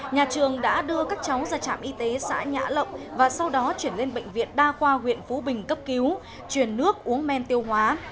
nhà trường đã đưa các cháu ra trạm y tế xã nhã lộng và sau đó chuyển lên bệnh viện đa khoa huyện phú bình cấp cứu chuyển nước uống men tiêu hóa